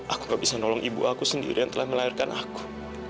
aku gak bisa nolong ibu aku sendiri yang telah melahirkan aku